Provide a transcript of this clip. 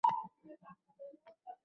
– Qarang, ro‘zg‘orda tuz uzilibdi